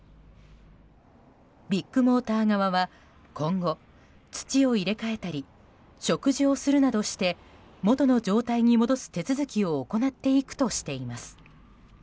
ビッグモーター側は今後、土を入れ替えたり植樹をするなどして元の状態に戻す手続きを行っていくとしています。